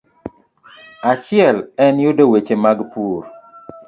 Achiel en yudo weche mag pur.